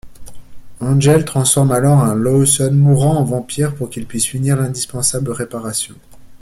Angel transforme alors un Lawson mourant en vampire pour qu'il puisse finir l'indispensable réparation.